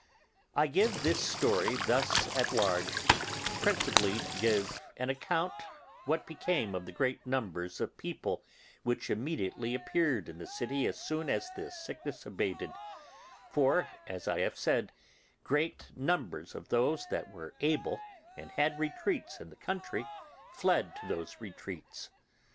I give this story thus at large, principally to give an account what became of the great numbers of people which immediately appeared in the city as soon as the sickness abated; for, as I have said, great numbers of those that were able and had retreats in the country fled to those retreats.